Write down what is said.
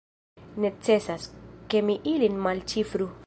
Necesas, ke mi ilin malĉifru.